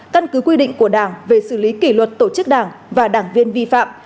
căn cứ quy định của đảng về xử lý kỷ luật tổ chức đảng và đảng viên vi phạm